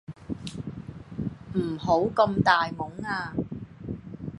唔好咁大懵呀